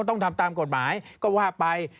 ต้องทำตามกฎหมายก็ว่าไป